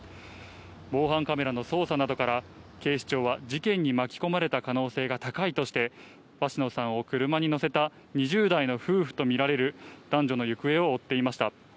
防犯カメラの捜査などから警視庁は事件に巻き込まれた可能性が高いとして鷲野さんを車に乗せた２０代の夫婦とみられる男女の行方を追っていました。